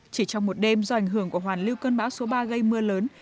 chỉ trong một đêm do ảnh hưởng của hoàn lưu cơn bão số ba gây mưa lớn